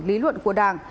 lý luận của đảng